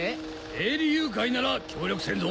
営利誘拐なら協力せんぞ。